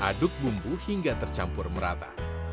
aduk bumbu hingga tercampur merata